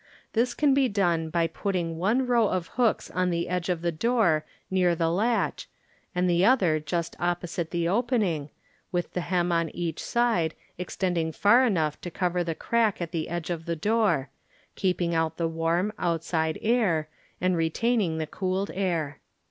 This can be done by putting one row of hooks on the edge of the door near the latch and the other just opposite the opening, with the hem on each side ex tending far enough to cover the crack at the edge of the door, keeping out the warm, outside air and retaining the cooled air.